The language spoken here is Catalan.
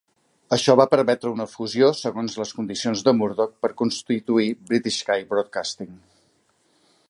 Això va permetre una fusió segons les condicions de Murdoch per constituir British Sky Broadcasting.